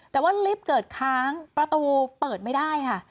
แต่ว่าลิฟต์เกิดค้างประตูเปิดไม่ได้ค่ะ